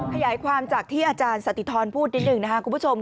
ขยายความจากที่อาจารย์สติธรพูดนิดหนึ่งนะครับคุณผู้ชม